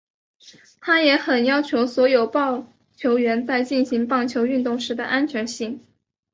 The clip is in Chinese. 他也很要求所有棒球员在进行棒球运动时的安全性。